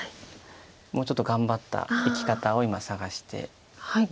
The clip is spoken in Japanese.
もうちょっと頑張った生き方を今探して。